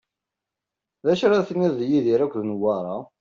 D acu ara tiniḍ di Yidir akked Newwara?